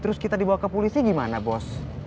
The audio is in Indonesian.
terus kita dibawa ke polisi gimana bos